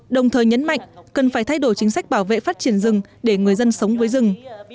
đồng thời nhấn mạnh cần phải thay đổi chính sách bảo vệ phát triển rừng để người dân sống với rừng